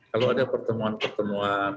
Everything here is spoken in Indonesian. kalau ada pertemuan pertemuan